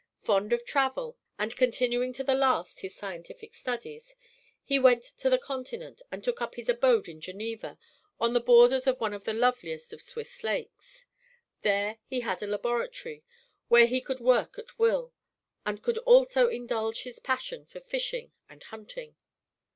Fond of travel, and continuing to the last his scientific studies, he went to the continent, and took up his abode at Geneva, on the borders of one of the loveliest of Swiss lakes. There he had a laboratory, where he could work at will, and could also indulge his passion for fishing and hunting.